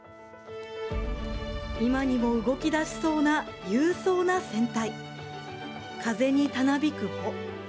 今にも動き出しそうな勇壮な船体、風にたなびく帆。